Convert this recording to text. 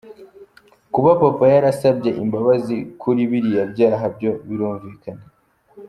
Kuba Papa yarasabye imbabazi kuri biriya byaha byo birumvikana.